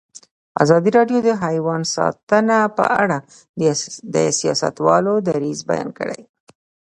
ازادي راډیو د حیوان ساتنه په اړه د سیاستوالو دریځ بیان کړی.